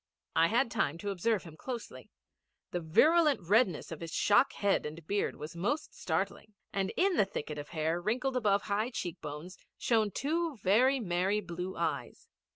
I had time to observe him closely. The virulent redness of his shock head and beard was most startling; and in the thicket of hair wrinkled above high cheek bones shone two very merry blue eyes.